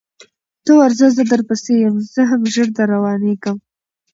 ته ورځه زه در پسې یم زه هم ژر در روانېږم